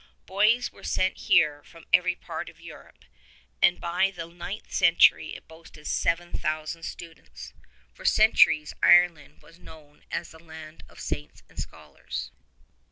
Boys were sent here from every part of Europe, and by the ninth century it toasted 7,000 students. For centuries Ireland was known as the Land of Saints and Scholars.